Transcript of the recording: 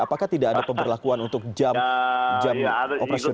apakah tidak ada pemberlakuan untuk jam operasional